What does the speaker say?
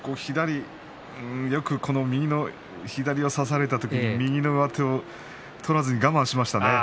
よく左を差された時に右の上手を取らずに我慢しましたね。